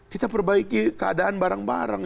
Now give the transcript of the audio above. kita perbaiki keadaan barang barang